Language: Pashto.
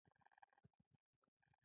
د احمد له لاسه زړه شنی يم.